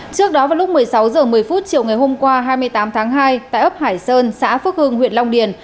trước đó vào lúc một mươi sáu h một mươi chiều ngày hôm qua hai mươi tám tháng hai tại ấp hải sơn xã phước hưng huyện long điền